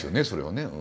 それはね。